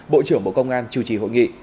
bộ trưởng bộ công an chủ trì hội nghị